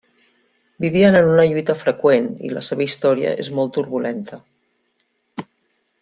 Vivien en una lluita freqüent i la seva història és molt turbulenta.